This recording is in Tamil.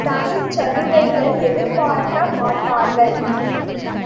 தனிச் சலுகைகள் எதிர்பார்க்கமாட்டார்கள்.